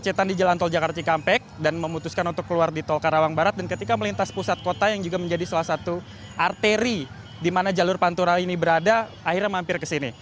jadi kita sudah melintas di tol jakarta cikampek dan memutuskan untuk keluar di tol karawang barat dan ketika melintas pusat kota yang juga menjadi salah satu arteri di mana jalur pantural ini berada akhirnya mampir ke sini